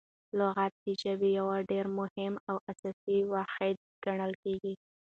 لغت د ژبي یو ډېر مهم او اساسي واحد ګڼل کیږي.